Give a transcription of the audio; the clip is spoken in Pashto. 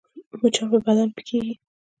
مچان په بدن پکېږي